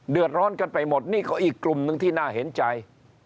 เดือดร้อนกันไปหมดนี่ก็อีกกลุ่มหนึ่งที่น่าเห็นใจ